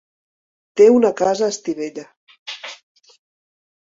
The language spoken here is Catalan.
Té una casa a Estivella.